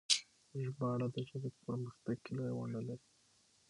ژباړه د ژبې په پرمختګ کې لويه ونډه لري.